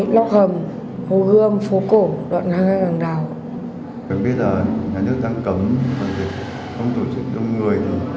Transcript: lóc hầm hồ hương phố cổ